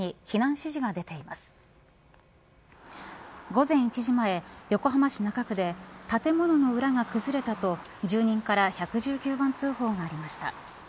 午前１時前、横浜市中区で建物の裏が崩れたと住人から１１９番通報が出ました。